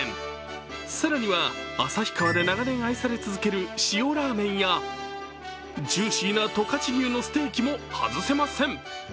更には旭川で長年愛され続ける塩ラーメンや、ジューシーな十勝牛のステーキも外せません。